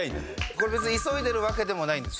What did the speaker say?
これ別に急いでるわけでもないんです。